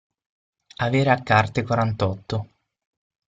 Avere a carte quarantotto.